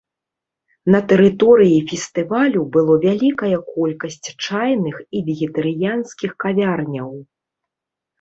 На тэрыторыі фестывалю было вялікая колькасць чайных і вегетарыянскіх кавярняў.